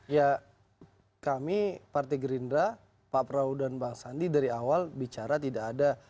ya kami partai gerindra pak prabowo dan bang sandi dari awal bicara tidak ada